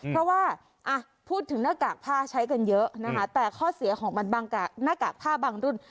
เพราะว่าพูดถึงหน้ากากผ้าใช้กันเยอะนะคะแต่ข้อเสียของมันบางหน้ากากผ้าบางรุ่น